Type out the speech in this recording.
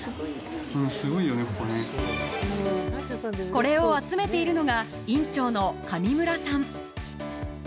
これを集めているのが院長の上村さん。